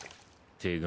「手紙」